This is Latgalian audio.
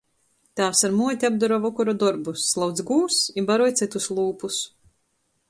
Tāvs ar muoti apdora vokora dorbus – slauc gūvs i baroj cytus lūpus.